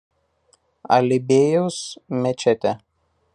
Ali Bėjaus mečetė.